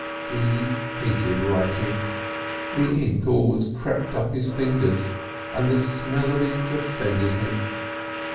He hated writing; the ink always crept up his fingers and the smell of ink offended him.